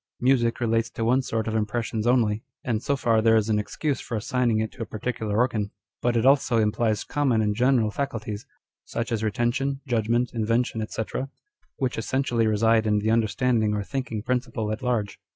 Music relates to one sort of impressions only, and so far there is an excuse for assign ing it to a particular organ ; but it also implies common and general faculties, such as retention, judgment, inven tion, &c., which essentially reside in the understanding or thinking principle at large.